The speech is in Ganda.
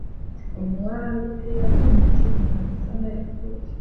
Omuwaabi teyali mumativu na nsala ya kkooti.